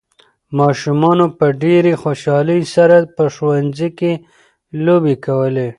ماشومانو په ډېرې خوشالۍ سره په ښوونځي کې لوبې کولې.